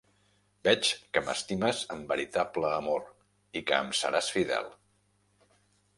Veig que m'estimes amb veritable amor i que em seràs fidel.